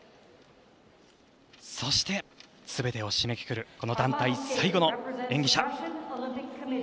そしてすべてを締めくくる団体最後の演技者。